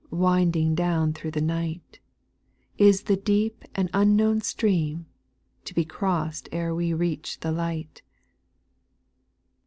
Winding down through the night, Is the deep and unknown stream, To be crossed ere wc reach the light.